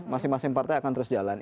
masing masing partai akan terus jalan